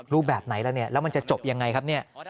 ลูกแบบไหนแล้วมันจะจบยังไงครับ